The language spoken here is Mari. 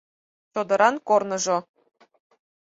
ЧОДЫРАН КОРНЫЖО